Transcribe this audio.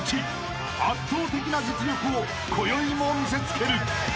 ［圧倒的な実力をこよいも見せつける］